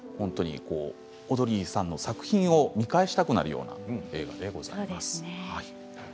オードリーさんの作品を見返したくなるような映画でございます。